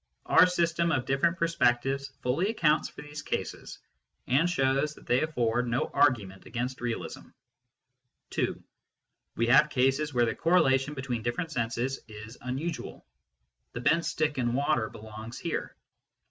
Our system of different perspectives fully accounts for these cases, and shows that they afford no argument against realism. (2) We have cases where the correlation between SENSE DATA AND PHYSICS 177 different senses is unusual. The bent stick in water belongs here.